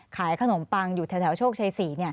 ขายขนมปังอยู่แถวโชคชัย๔